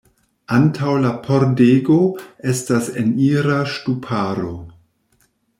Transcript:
Antaŭ la pordego estas enira ŝtuparo.